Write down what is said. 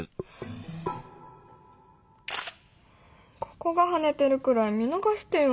ここがハネてるくらい見逃してよ